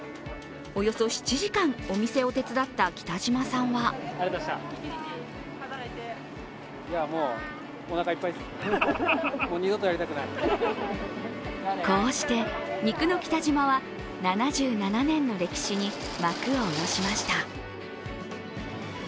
およそ７時間お店を手伝った北島さんはこうして肉のきたじまは７７年の歴史に幕を下ろしました。